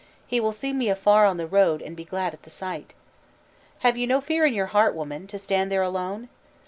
He will see me afar on the road, And be glad at the sight.' "'Have you no fear in your heart, woman, To stand there alone?